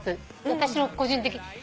私の個人的。